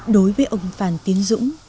đối với ông phan tiến dũng